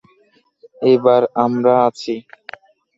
এবার আমরা আছি।